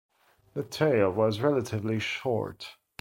The tail was relatively short.